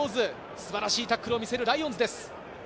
素晴らしいタックルをみせるライオンズです。